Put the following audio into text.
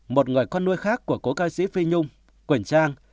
một người con nuôi khác của cố ca sĩ phi nhung quỳnh trang